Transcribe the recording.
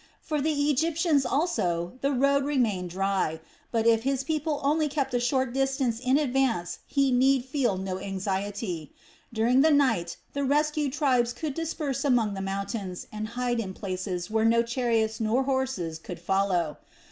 For the Egyptians also the road remained dry; but if his people only kept a short distance in advance he need feel no anxiety; during the night the rescued tribes could disperse among the mountains and hide in places where no chariots nor horses could follow.